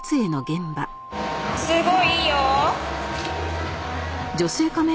すごいいいよ！